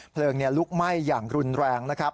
เพลิงลุกไหม้อย่างรุนแรงนะครับ